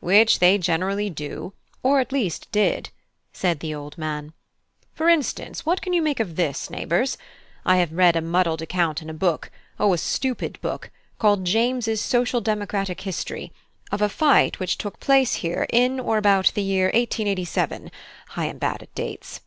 "Which they generally do, or at least did," said the old man. "For instance, what can you make of this, neighbours? I have read a muddled account in a book O a stupid book called James' Social Democratic History, of a fight which took place here in or about the year 1887 (I am bad at dates).